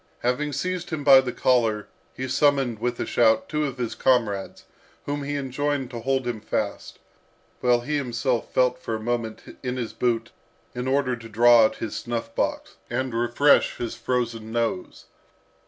Having seized him by the collar, he summoned, with a shout, two of his comrades, whom he enjoined to hold him fast, while he himself felt for a moment in his boot, in order to draw out his snuff box, and refresh his frozen nose.